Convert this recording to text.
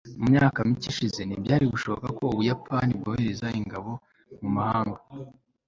mu myaka mike ishize ntibyari gushoboka ko ubuyapani bwohereza ingabo mumahanga